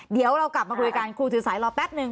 เดี๋ยวเรากลับมาคุยกันครูถือสายรอแป๊บนึง